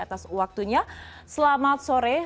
atas waktunya selamat sore